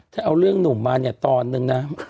ถ้าเอาเรื่องหนุ่มมาอย่างตอนหนึ่งนะ